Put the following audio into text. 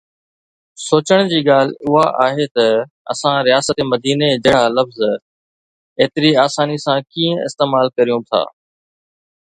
سوچڻ جي ڳالهه اها آهي ته اسان رياست مديني جهڙا لفظ ايتري آساني سان ڪيئن استعمال ڪريون ٿا.